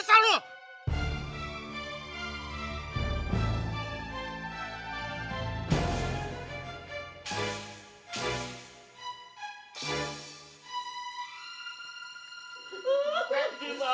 kalau selama ini ada